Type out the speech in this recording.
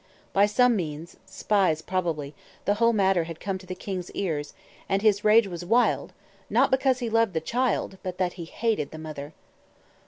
By some means spies probably the whole matter had come to the king's ears, and his rage was wild, not because he loved the child, but that he hated the mother.